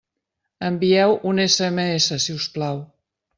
Envieu un SMS, si us plau.